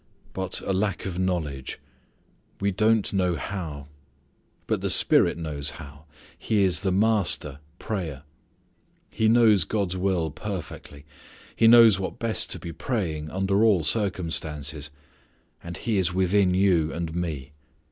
But a lack of knowledge. We don't know how. But the Spirit knows how. He is the Master prayor. He knows God's will perfectly. He knows what best to be praying under all circumstances. And He is within you and me.